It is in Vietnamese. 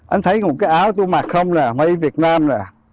anh thấy một cái áo tôi mặc không nè mấy việt nam nè